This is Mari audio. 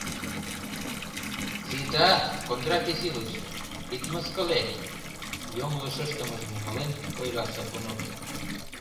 — Сита, Кондратий Силыч, ит мыскыле, — йоҥылыш ыштымыжым умылен, ойла Сапунов.